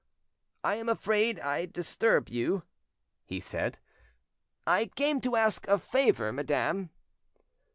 "I am afraid I disturb you," he said. "I came to ask a favour, madame."